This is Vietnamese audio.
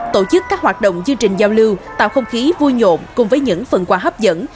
tổ chức các hoạt động chương trình giao lưu tạo không khí vui nhộn cùng với những phần quà hấp dẫn